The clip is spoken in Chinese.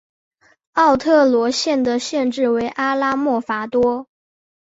奥特罗县的县治为阿拉莫戈多。